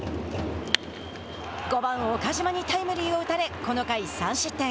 ５番岡島にタイムリーを打たれこの回、３失点。